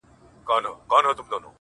شرنګ د زولنو به دي غوږو ته رسېدلی وي-